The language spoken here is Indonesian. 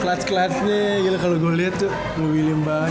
klat klatnya kalau gue lihat tuh william banget